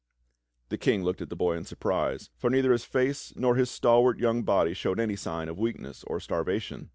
The King looked at the boy in surprise, for neither his face nor his stalwart young body showed any signs of weakness or starvation.